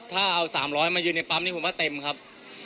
ถ้าเอา๓๐๐มายืนในปั๊มนี้ผมว่าเต็มครับ